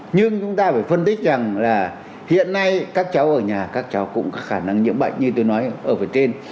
nhưng chúng ta phải phân tích rằng là hiện nay các cháu ở nhà các cháu cũng có khả năng nhiễm bệnh như tôi nói ở phía trên